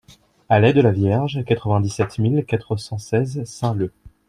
Allèe De La Vierge, quatre-vingt-dix-sept mille quatre cent seize Saint-Leu